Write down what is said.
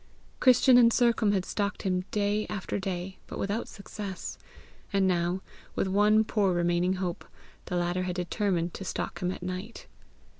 Christian and Sercombe had stalked him day after day, but without success. And now, with one poor remaining hope, the latter had determined to stalk him at night.